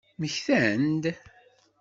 Mmektan-d?